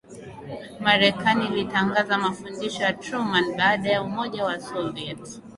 Marekani ilitangaza Mafundisho ya Truman baada ya Umoja wa Soviet